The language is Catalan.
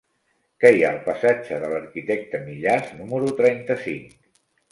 Què hi ha al passatge de l'Arquitecte Millàs número trenta-cinc?